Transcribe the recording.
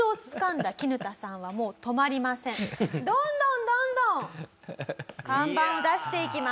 どんどんどんどん看板を出していきます。